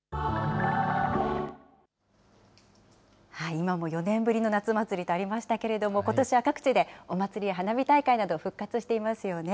今も４年ぶりの夏祭りとありましたけれども、ことしは各地でお祭りや花火大会など、復活していますよね。